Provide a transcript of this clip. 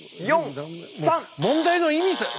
問題の意味さえ。